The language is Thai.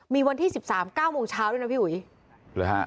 มีวันที่๑๓๙โมงเช้าด้วยนะพี่อุ๋ย